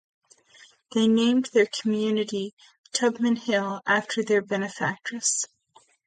They named their community Tubman Hill after their benefactress.